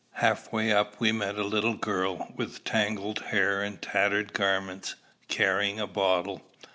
Half way up we met a little girl with tangled hair and tattered garments, carrying a bottle.